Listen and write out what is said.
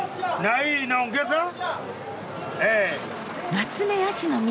ナツメヤシの実。